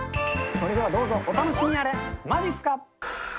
それではどうぞお楽しみあれ、まじっすか。